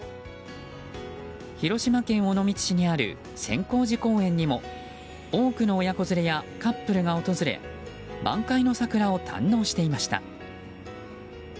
広島県尾道市にある千光寺公園にも多くの親子連れやカップルが訪れ満開の桜を堪能していました。